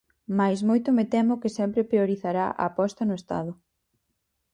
Mais, moito me temo que sempre priorizará a aposta no Estado.